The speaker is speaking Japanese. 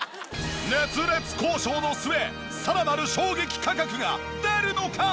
熱烈交渉の末さらなる衝撃価格が出るのか！？